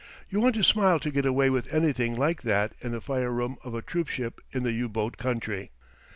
You want to smile to get away with anything like that in the fire room of a troop ship in the U boat country.